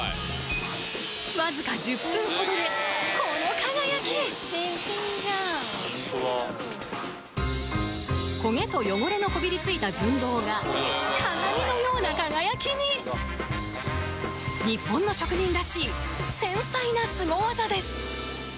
わずか１０分ほどでこの輝き焦げと汚れのこびりついた寸胴が鏡のような輝きに日本の職人らしい繊細なスゴ技です